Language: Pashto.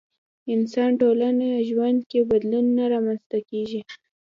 انسان ټولنه ژوند کې بدلون نه رامنځته کېږي.